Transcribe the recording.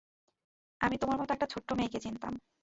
আমি তোমার মতো একটা ছোট্ট মেয়েকে চিনতাম।